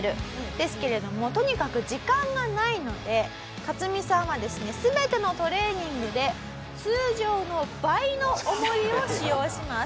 ですけれどもとにかく時間がないのでカツミさんはですね全てのトレーニングで通常の倍の重りを使用します。